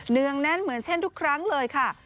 เนื่องแน่นเหมือนเช่นทุกครั้งเลยค่ะ